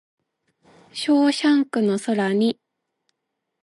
ショーシャンクの空に